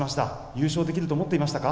優勝できると思っていましたか？